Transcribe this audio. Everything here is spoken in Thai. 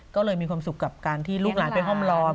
ก็เลยมีความสุขกับการที่ลูกหลานไปห้อมล้อม